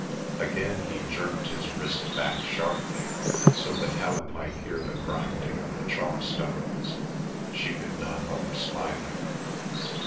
Again he jerked his wrist back sharply, so that Helen might hear the grinding of the chalk stones. She could not help smiling.